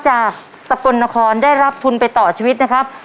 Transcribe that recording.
จากสกลนครได้รับทุนไปต่อชีวิตนะครับ